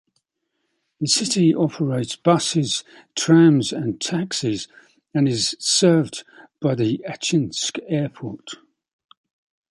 The city operates buses, trams, and taxis, and is served by the Achinsk Airport.